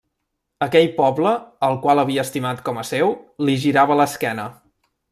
Aquell poble, al qual havia estimat com a seu, li girava l'esquena.